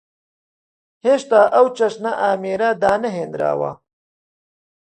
هێشتا ئەو چەشنە ئامێرە دانەهێنراوە.